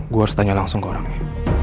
gue harus tanya langsung ke orangnya